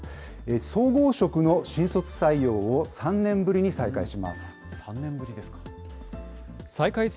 総合職の新卒採用を３年ぶりに再開します。